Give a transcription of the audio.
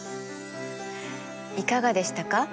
いかがでしたか？